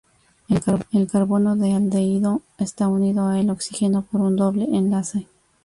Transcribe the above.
El carbono del aldehído está unido a el oxígeno por un doble enlace.